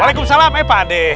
waalaikumsalam eh pak adek